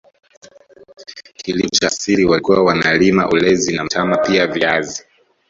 Kilimo cha asili walikuwa wanalima ulezi na mtama pia viazi